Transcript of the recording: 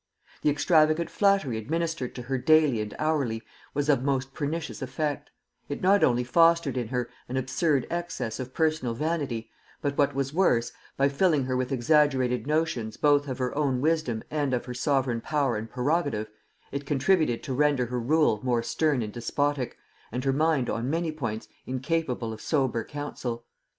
The extravagant flattery administered to her daily and hourly, was of most pernicious effect; it not only fostered in her an absurd excess of personal vanity, but, what was worse, by filling her with exaggerated notions both of her own wisdom and of her sovereign power and prerogative, it contributed to render her rule more stern and despotic, and her mind on many points incapable of sober counsel.